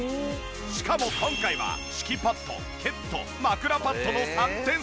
しかも今回は敷きパッドケット枕パッドの３点セット。